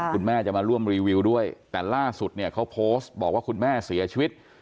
คุณแม่จะมาร่วมรีวิวด้วยแต่ล่าสุดเนี่ยเขาโพสต์บอกว่าคุณแม่เสียชีวิต